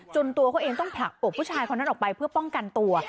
ตัวเขาเองต้องผลักอกผู้ชายคนนั้นออกไปเพื่อป้องกันตัว